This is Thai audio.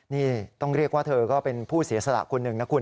นี่ต้องเรียกว่าเธอก็เป็นผู้เสียสละคนหนึ่งนะคุณ